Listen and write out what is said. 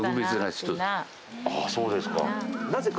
ああそうですか。